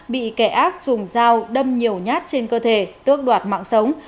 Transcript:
bị kẻ ác dùng dao đâm nhiều nhát trên cơ thể tước đoạt mạng sống